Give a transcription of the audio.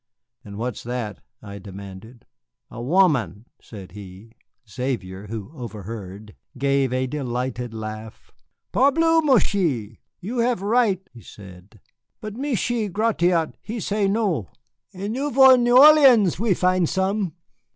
"And what is that?" I demanded. "A woman," said he. Xavier, who overheard, gave a delighted laugh. "Parbleu, Michié, you have right," he said, "but Michié Gratiot, he say no. In Nouvelle Orléans we find some."